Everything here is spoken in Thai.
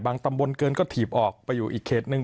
ตำบลเกินก็ถีบออกไปอยู่อีกเขตหนึ่ง